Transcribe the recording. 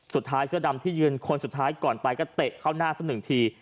เสื้อดำที่ยืนคนสุดท้ายก่อนไปก็เตะเข้าหน้าสักหนึ่งที